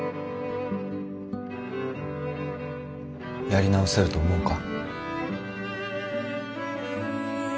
やり直せると思うか？